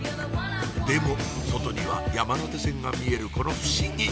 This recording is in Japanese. でも外には山手線が見えるこの不思議！